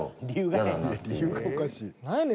理由がおかしい。